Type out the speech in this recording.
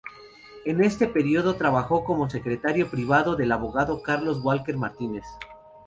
En este período trabajó como secretario privado del abogado Carlos Walker Martínez.